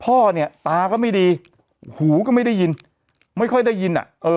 พ่อเนี่ยตาก็ไม่ดีหูก็ไม่ได้ยินไม่ค่อยได้ยินอ่ะเออ